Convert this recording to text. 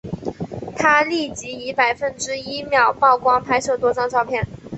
他立即以百分之一秒曝光拍摄多张照片。